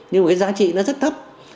nhưng mà cái giá trị nó rất thấp